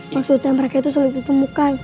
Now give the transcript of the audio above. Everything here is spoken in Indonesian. maksudnya mereka itu sulit ditemukan